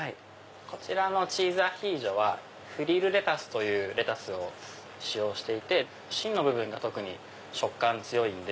こちらのチーズアヒージョはフリルレタスというレタスを使用していてしんの部分が特に食感強いんで。